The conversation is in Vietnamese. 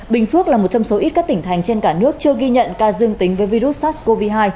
bình phước là một trong số ít các tỉnh thành trên cả nước chưa ghi nhận ca dương tính với virus sars cov hai